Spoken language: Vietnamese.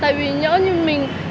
tại vì nhớ như mình